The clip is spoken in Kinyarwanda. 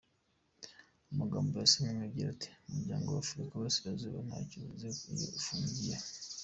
Amagambo yasomye agira ati “Umuryango w’afurika y’iburasirazuba ntacyo uvuze iyo ufungiye aha.